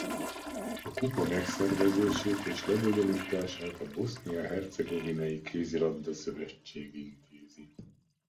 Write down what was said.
A kupa megszervezését és lebonyolítását a Bosznia-hercegovinai Kézilabda-szövetség intézi.